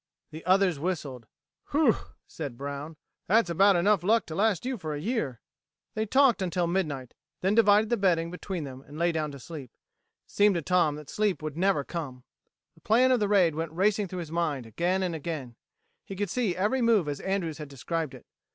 The others whistled. "Whew!" said Brown. "That's about enough luck to last you for a year." They talked until midnight; then divided the bedding between them and lay down to sleep. It seemed to Tom that sleep would never come. The plan of the raid went racing through his mind again and again; he could see every move as Andrews had described it.